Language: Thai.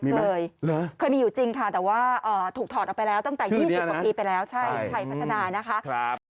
เคยเคยมีอยู่จริงค่ะแต่ว่าถูกถอดออกไปแล้วตั้งแต่๒๐กว่าปีไปแล้วใช่ไทยพัฒนานะคะ